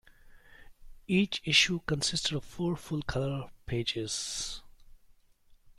Each issue consisted of four full-color pages.